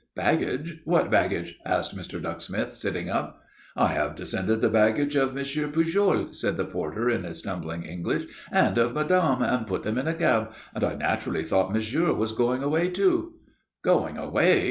"Baggage? What baggage?" asked Mr. Ducksmith, sitting up. "I have descended the baggage of Monsieur Pujol," said the porter in his stumbling English, "and of madame, and put them in a cab, and I naturally thought monsieur was going away, too." "Going away!"